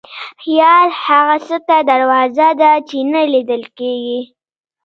خیال هغه څه ته دروازه ده چې نه لیدل کېږي.